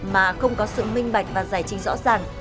mà không có sự minh bạch và giải trình rõ ràng